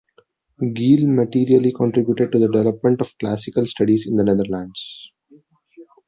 Geel materially contributed to the development of classical studies in the Netherlands.